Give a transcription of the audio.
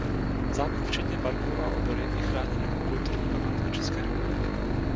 Zámek včetně parku a obory je chráněn jako kulturní památka České republiky.